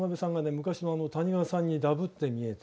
昔の谷川さんにダブって見えて。